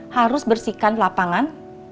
harus bersihkan lapangan